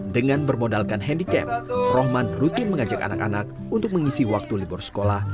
dengan bermodalkan handicap rohman rutin mengajak anak anak untuk mengisi waktu libur sekolah